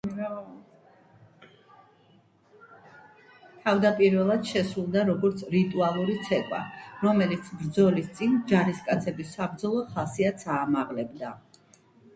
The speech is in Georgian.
თავდაპირველად შესრულდა როგორც რიტუალური ცეკვა, რომელიც ბრძოლის წინ ჯარისკაცების საბრძოლო ხასიათს აამაღლებდა.